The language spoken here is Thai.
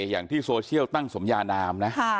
อย่างที่โซเชียลตั้งสมยานามนะ